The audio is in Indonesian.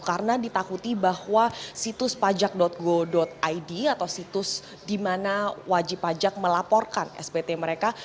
karena ditakuti bahwa situs pajak go id atau situs di mana wajib pajak melaporkan spt mereka